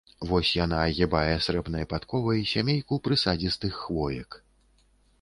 Вось яна агібае срэбнай падковай сямейку прысадзістых хвоек.